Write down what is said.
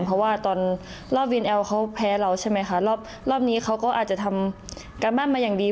เพราะว่าตอนรอบวินแอลเขาแพ้เราใช่ไหมคะรอบรอบนี้เขาก็อาจจะทำการบ้านมาอย่างดี